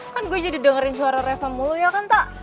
kan gue jadi dengerin suara refa mulu ya kan kak